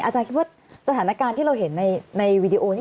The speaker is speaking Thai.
อาจารย์คิดว่าสถานการณ์ที่เราเห็นในวีดีโอนี่